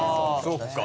そっか。